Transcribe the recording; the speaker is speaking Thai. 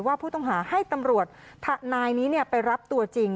ว่าผู้ต้องหาให้ตำรวจนายนี้ไปรับตัวจริง